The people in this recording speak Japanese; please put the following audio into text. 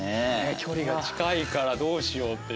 距離が近いからどうしようっていう。